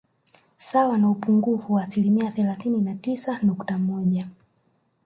Sawa na upungufu wa asilimia thelathini na tisa nukta moja